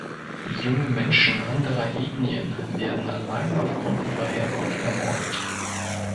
Junge Menschen anderer Ethnien werden allein aufgrund ihrer Herkunft ermordet.